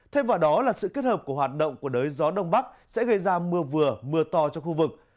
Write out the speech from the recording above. thêm vào đó là sự kết hợp của hoạt động của đới gió đông bắc sẽ gây ra mưa vừa mưa to cho khu vực